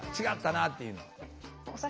違ったなっていうのは？